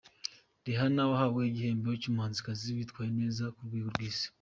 Rihanna, wahawe igihembo cy’umuhanzikazi witwaye neza ku rwego rw’isi.